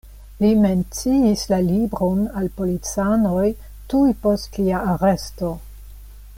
Li menciis la libron al policanoj tuj post lia aresto.